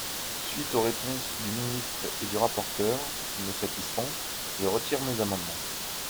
Suite aux réponses du ministre et du rapporteur, qui me satisfont, je retire mes amendements.